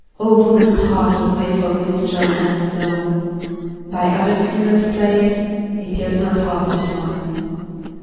Oh! woman's heart was made For minstrel hands alone; By other fingers played, It yields not half the tone.